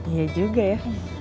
iya juga ya